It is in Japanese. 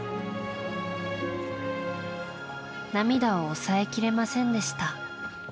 涙を抑えきれませんでした。